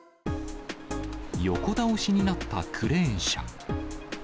横倒しになったクレーン車。